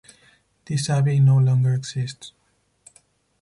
This abbey no longer exists.